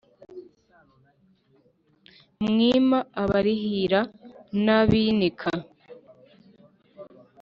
mwima abarihira n’abinika;